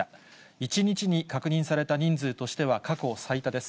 １日に確認された人数としては過去最多です。